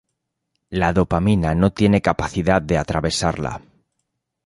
La dopamina no tiene capacidad de atravesarla.